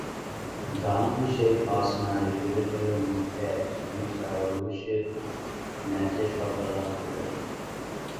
গান্ধী সেই পাঁচ নারী ক্রিকেটারের মধ্যে একজন যারা অভিষেক ম্যাচে শতরান করেছেন।